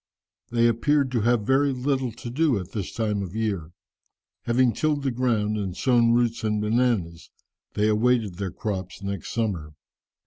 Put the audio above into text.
They appeared to have very little to do at this time of year. Having tilled the ground, and sown roots and bananas, they awaited their crops next summer.